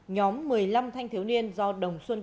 nhóm một mươi năm thanh thiếu niên do đồng xuân